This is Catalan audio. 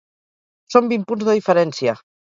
Són vint punts de diferència!